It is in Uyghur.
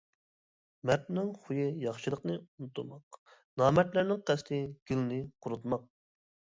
مەردنىڭ خۇيى ياخشىلىقنى ئۇنتۇماق، نامەردلەرنىڭ قەستى گۈلنى قۇرۇتماق.